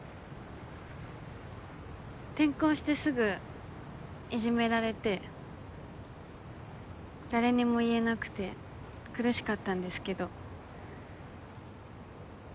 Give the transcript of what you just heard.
転校してすぐいじめられて誰にも言えなくて苦しかったんですけど。